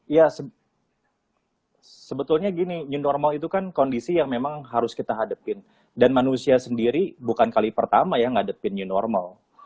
ya sebetulnya gini new normal itu kan kondisi yang memang harus kita hadapin dan manusia sendiri bukan kali pertama ya ngadepin new normal